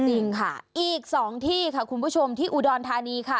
จริงค่ะอีก๒ที่ค่ะคุณผู้ชมที่อุดรธานีค่ะ